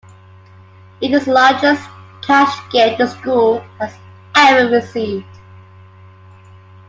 It is the largest cash gift the school has ever received.